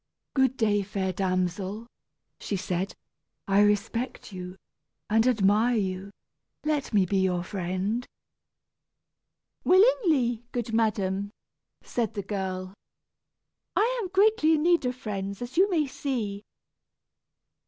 "Good day, fair damsel," she said. "I respect you and admire you let me be your friend." "Willingly, good madam," said the girl. "I am greatly in need of friends, as you may see."